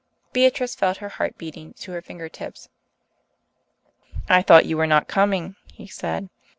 Beatrice felt her heart beating to her fingertips. "I thought you were not coming," he said.